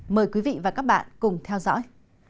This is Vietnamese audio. mời quý vị và các bạn cùng theo dõi